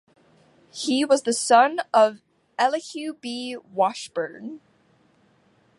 He was the son of Elihu B. Washburne.